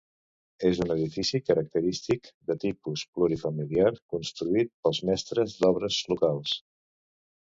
És un edifici característic de tipus plurifamiliar, construït pels mestres d'obres locals.